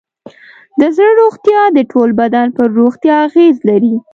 د زړه روغتیا د ټول بدن پر روغتیا اغېز لري.